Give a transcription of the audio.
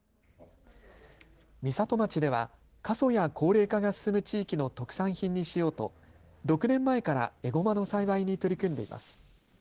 美里町では過疎や高齢化が進む地域の特産品にしようと６年前からエゴマの栽培に取り組んでいます。